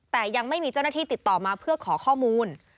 แต่ยังไม่มีเจ้าหน้าที่ติดต่อมาเพื่อขอข้อมูล